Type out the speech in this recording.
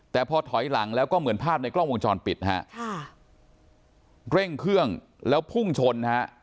แต่พอถอยหลังแล้วก็เหมือนภาพในกล้องวงจรปิดนะฮะค่ะเร่งเครื่องแล้วพุ่งชนฮะ